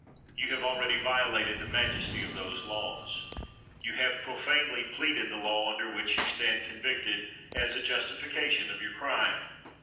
You have already violated the majesty of those laws. You have profanely pleaded the law under which you stand convicted, as a justification of your crime.